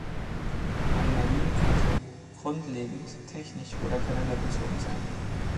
Anomalien konnte grundlegend, technisch oder kalenderbezogen sein.